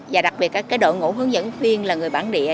và đặc biệt các đội ngũ hướng dẫn viên là người bản địa